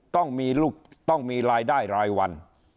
ต้องมีลูกต้องมีรายได้รายวัน